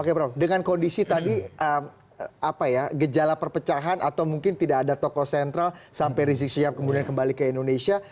oke dengan kondisi tadi apa ya gejala perpecahan atau mungkin tidak ada tokoh sentral sampai rizieq syihab kemudian kembali ke indonesia